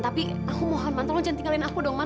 tapi aku mohon man tolong jangan tinggalin aku dah